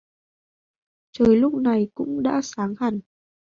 Trời lúc này cũng đã sáng hẳn